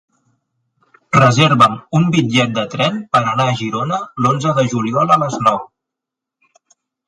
Reserva'm un bitllet de tren per anar a Girona l'onze de juliol a les nou.